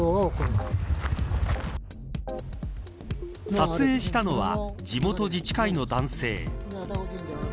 撮影したのは地元自治会の男性。